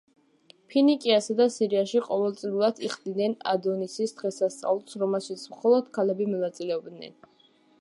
ფინიკიასა და სირიაში ყოველწლიურად იხდიდნენ ადონისის დღესასწაულს, რომელშიც მხოლოდ ქალები მონაწილეობდნენ.